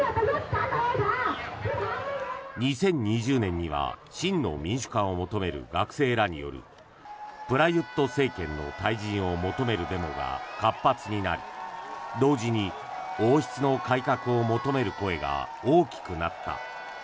２０２０年には真の民主化を求める学生らによるプラユット政権の退陣を求めるデモが活発になり同時に王室の改革を求める声が大きくなった。